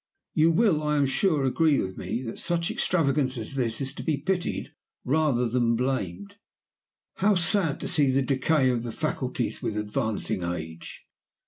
"You will, I am sure, agree with me that such extravagance as this is to be pitied rather than blamed. How sad to see the decay of the faculties with advancing age!